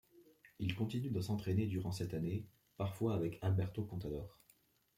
Il continue de s'entraîner durant cette année, parfois avec Alberto Contador.